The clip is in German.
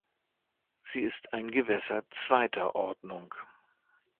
Sie ist ein Gewässer zweiter Ordnung.